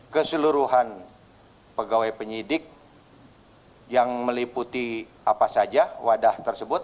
keseluruhan pegawai penyidik yang meliputi apa saja wadah tersebut